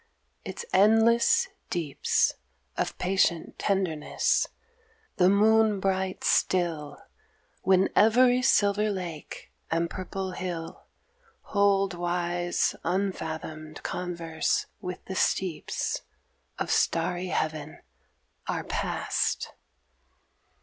Its endless deeps Of patient tenderness, the moon bright still When every silver lake and purple hill Hold wise unfathomed converse with the steeps Of starry heaven, are past.